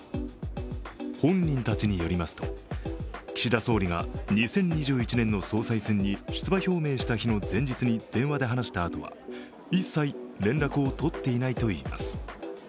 本人たちによりますと、岸田総理が２０２１年の総裁選に出馬表明した日の前日に電話で話したあとは、一切連絡をとっていないといいます。